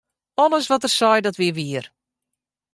Alles wat er sei, dat wie wier.